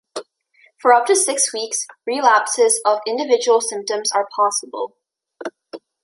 For up to six weeks, relapses of individual symptoms are possible.